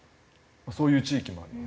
そういう地域もあります。